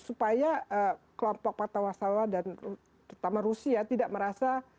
supaya kelompok patawasawa dan terutama rusia tidak merasa